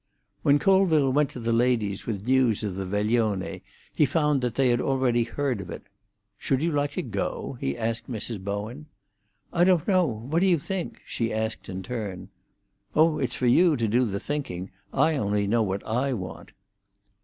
When Colville went to the ladies with news of the veglione, he found that they had already heard of it. "Should you like to go?" he asked Mrs. Bowen. "I don't know. What do you think?" she asked in turn. "Oh, it's for you to do the thinking. I only know what I want."